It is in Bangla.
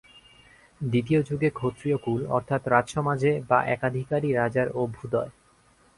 দ্বিতীয় যুগে ক্ষত্রিয়কুল অর্থাৎ রাজসমাজে বা একাধিকারী রাজার অভ্যুদয়।